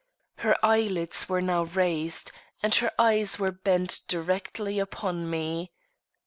Her eyelids were now raised, and her eyes were bent directly upon me.